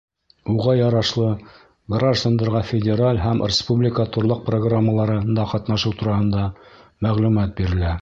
Уға ярашлы, граждандарға федераль һәм республика торлаҡ программаларында ҡатнашыу тураһында мәғлүмәт бирелә.